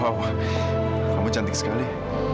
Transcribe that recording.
apa kamu cantik sekali